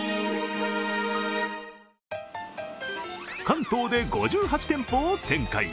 関東で５８店舗を展開。